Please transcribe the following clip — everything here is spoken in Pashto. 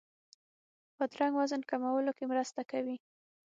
بادرنګ وزن کمولو کې مرسته کوي.